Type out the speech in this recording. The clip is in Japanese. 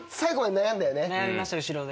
悩みました後ろで。